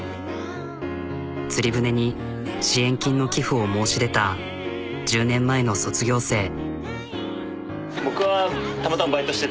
つり舟に支援金の寄付を申し出た１０年前の卒業生。